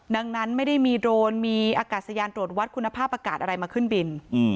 ดังนั้นไม่ได้มีโดรนมีอากาศยานตรวจวัดคุณภาพอากาศอะไรมาขึ้นบิน